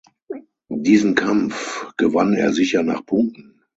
Diesen Kampf gewann er sicher nach Punkten.